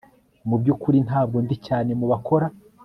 Mubyukuri ntabwo ndi cyane mubakora